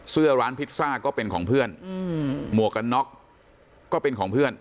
เสื้อร้านพิซซ่าก็เป็นของเพื่อนหมวกกันน็อกก็เป็นของเพื่อน